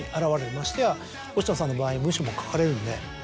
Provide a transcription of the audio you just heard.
ましてや星野さんの場合文章も書かれるので。